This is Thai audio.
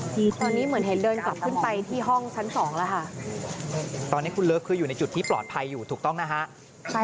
ทีนี้ตอนนี้เหมือนเห็นเดินกลับขึ้นไปที่ห้องชั้นสองแล้วค่ะตอนนี้คุณเลิฟคืออยู่ในจุดที่ปลอดภัยอยู่ถูกต้องนะฮะ